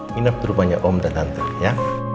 minap terupanya om dan tante ya